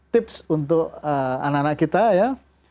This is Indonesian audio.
tips untuk anak anak kita ya